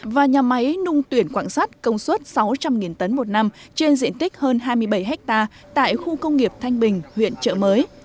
và nhà máy nung tuyển quảng sát công suất sáu trăm linh tấn một năm trên diện tích hơn hai mươi bảy ha tại khu công nghiệp thanh bình huyện trợ mới